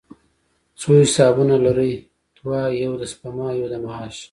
څو حسابونه لرئ؟ دوه، یو د سپما، یو د معاش